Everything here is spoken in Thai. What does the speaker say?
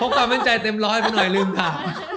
ความมั่นใจเต็มร้อยไปหน่อยลืมถาม